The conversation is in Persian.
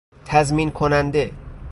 تضمین کننده